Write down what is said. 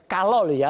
kalau loh ya